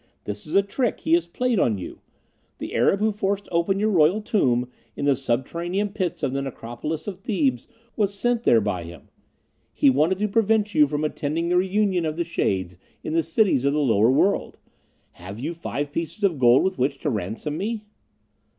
This is a trick he has played on you. The Arab who forced open your royal tomb, in the subterranean pits of the Necropolis of Thebes, was sent there by him. He wanted to prevent you from attending the reunion of the shades, in the cities of the lower world. Have you five pieces of gold with which to ransom me?"